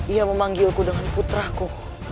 ia memanggilku dengan putraku